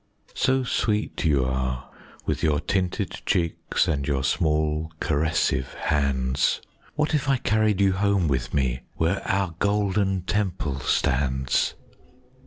So sweet you are, with your tinted cheeks and your small caressive hands, What if I carried you home with me, where our Golden Temple stands?